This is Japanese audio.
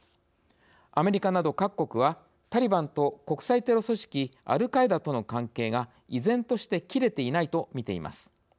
アメリカなど各国はタリバンと国際テロ組織アルカイダとの関係が依然として切れていないと見ています。